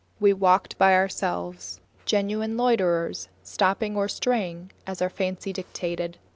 We walked by ourselves, genuine loiterers stopping or straying as our fancies dictated.